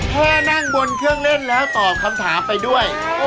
แค่นั่งบนเครื่องเล่นแล้วตอบคำถามไปด้วย